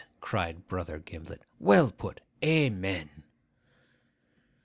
cried Brother Gimblet. 'Well put! Amen.